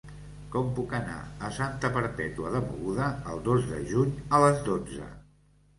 Com puc anar a Santa Perpètua de Mogoda el dos de juny a les dotze?